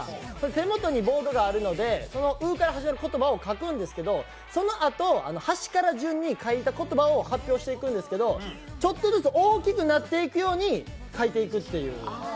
手元にボードがあるので、「う」から始まる言葉を書くんですけどそのあと、端から順に書いた言葉を発表していくんですけれども、ちょっとずつ大きくなっていくように書いてくという。